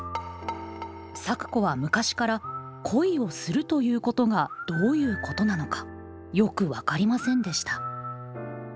咲子は昔から恋をするということがどういうことなのかよく分かりませんでした。